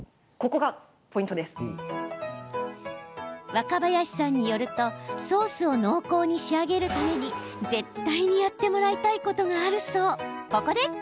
若林さんによるとソースを濃厚に仕上げるために絶対にやってもらいたいことがあるそう。